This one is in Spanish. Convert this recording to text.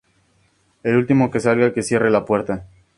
El último que salga, que cierre la puerta